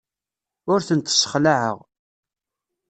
Ur tent-ssexlaɛeɣ.